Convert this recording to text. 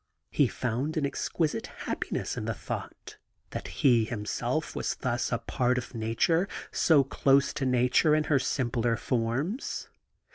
He found an exquisite happiness in the thought that he himself was thus a part of nature, so close to nature in her simpler forms.